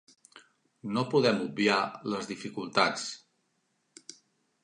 No podem obviar les dificultats.